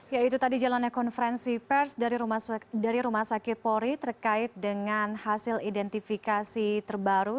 ya itu tadi jalannya konferensi pers dari rumah sakit polri terkait dengan hasil identifikasi terbaru